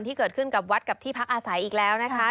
ที่เกิดขึ้นกับวัดกับที่พักอาศัยอีกแล้วนะคะ